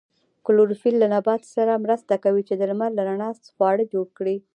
کلوروفیل له نبات سره مرسته کوي چې د لمر له رڼا خواړه جوړ کړي